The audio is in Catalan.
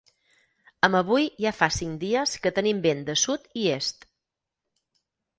Amb avui ja fa cinc dies que tenim vent de sud i est.